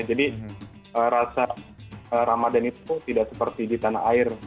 jadi rasa ramadan itu tidak seperti di tanah air